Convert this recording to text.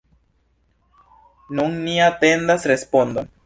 Nun ni atendas respondon.